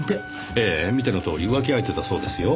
ええ見てのとおり浮気相手だそうですよ。